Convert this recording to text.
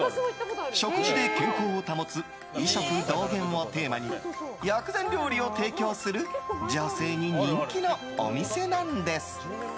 食事で健康を保つ医食同源をテーマに薬膳料理を提供する女性に人気のお店なんです。